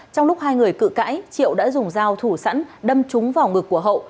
trong lúc hai người cự cãi triệu đã dùng dao thủ sẵn đâm trúng vào ngực của hậu